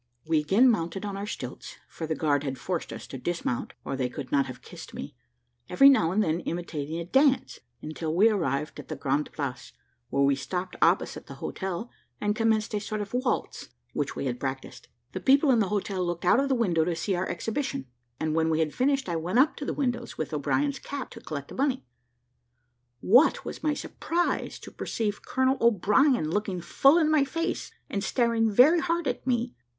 We again mounted on our stilts, for the guard had forced us to dismount, or they could not have kissed me, every now and then imitating a dance, until we arrived at the Grande Place, where we stopped opposite the hotel, and commenced a sort of waltz, which we had practised. The people in the hotel looked out of the window to see our exhibition, and when we had finished I went up to the windows with O'Brien's cap to collect money. What was my surprise to perceive Colonel O'Brien looking full in my face, and staring very hard at me?